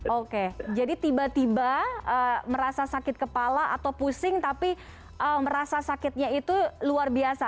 oke jadi tiba tiba merasa sakit kepala atau pusing tapi merasa sakitnya itu luar biasa